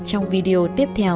trong video tiếp theo